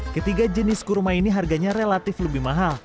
ketiga jenis kurma ini harganya relatif lebih mahal